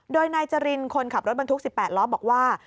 โดยนายจรินคนขับรถบรรทุก๑๘ล้อบอกว่า